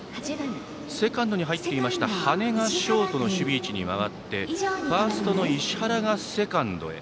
セカンドに入っていました羽根がショートの守備位置に回ってファーストの石原がセカンドへ。